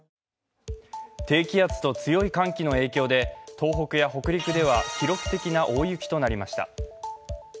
低気圧と強い寒気の影響で東北や北陸では記録的な大雪となりました。